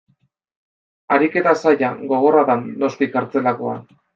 Ariketa zaila, gogorra da, noski, kartzelakoa.